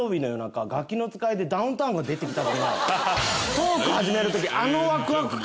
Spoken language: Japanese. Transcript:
トーク始めるときあのワクワク感。